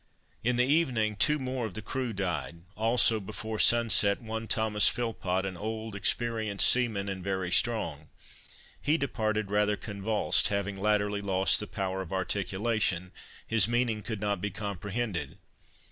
In the evening two more of the crew died, also, before sunset, one Thomas Philpot, an old experienced seaman, and very strong; he departed rather convulsed; having latterly lost the power of articulation, his meaning could not be comprehended.